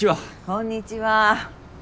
こんにちは。